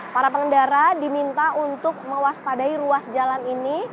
para pengendara diminta untuk mewaspadai ruas jalan ini